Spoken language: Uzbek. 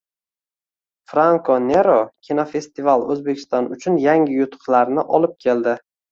Franko Nero: kinofestival O‘zbekiston uchun yangi yutuqlarni olib keladi